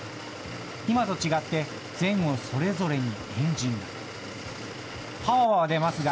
今と違って前後それぞれにエンジンが。